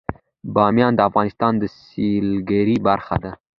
بامیان د افغانستان د سیلګرۍ برخه ده.